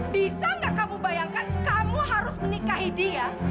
bisa nggak kamu bayangkan kamu harus menikahi dia